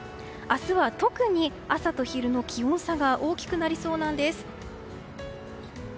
明日は特に朝と昼の気温差が大きくなりそうなんです。